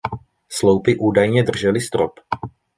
Sloupy údajně držely strop.